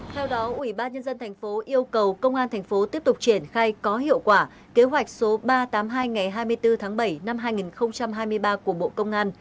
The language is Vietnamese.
theo đó ubnd tp yêu cầu công an thành phố tiếp tục triển khai có hiệu quả kế hoạch số ba trăm tám mươi hai ngày hai mươi bốn tháng bảy năm hai nghìn hai mươi ba của bộ công an